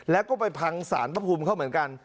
แล้วก็ไปพังสารพระภูมิเขาเหมือนกัน